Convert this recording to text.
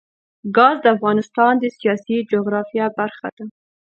ګاز د افغانستان د سیاسي جغرافیه برخه ده.